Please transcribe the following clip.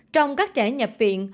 trong các trẻ nhập viện